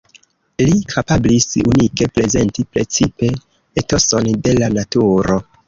Li kapablis unike prezenti precipe etoson de la naturo.